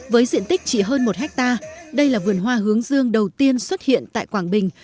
với diện tích chỉ hơn một hectare đây là vườn hoa hướng dương đầu tiên xuất hiện tại quảng bình